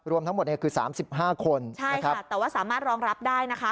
รวมทั้งหมดเนี่ยคือ๓๕คนใช่ค่ะแต่ว่าสามารถรองรับได้นะคะ